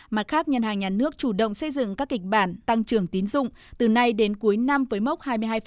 mặt khác ngân hàng nhà nước chủ động xây dựng các kịch bản tăng trưởng tín dụng từ nay đến cuối năm với mốc hai mươi hai